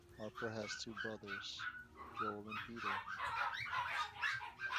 Harper has two brothers, Joel and Peter.